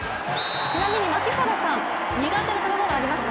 ちなみに槙原さん、苦手な食べ物ありますか？